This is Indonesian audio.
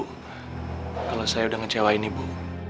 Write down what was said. kalau saya udah ngejauhin ibu